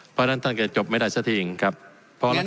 เพราะฉะนั้นท่านก็จะจบไม่ได้จนทีอีกครับคัมประธาน